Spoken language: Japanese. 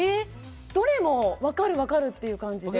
どれも分かる分かるって感じで。